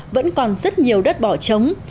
vẫn còn rất nhiều đất bỏ chống